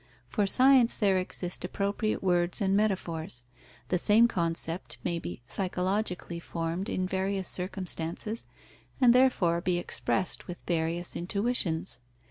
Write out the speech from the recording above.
For science there exist appropriate words and metaphors. The same concept may be psychologically formed in various circumstances and therefore be expressed with various intuitions.